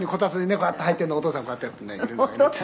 こうやって入ってるのにお義父さんこうやってやってねいるんだけどっつって」